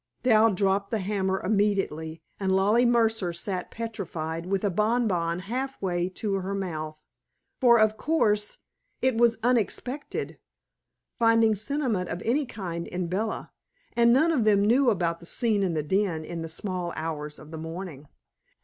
Dal dropped the hammer immediately, and Lollie Mercer sat petrified, with a bonbon halfway to her mouth. For, of course, it was unexpected, finding sentiment of any kind in Bella, and none of them knew about the scene in the den in the small hours of the morning.